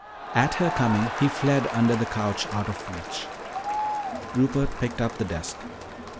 At her coming, he fled under the couch out of reach. Rupert picked up the desk.